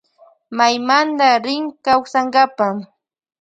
Maymanta rin kausankapa.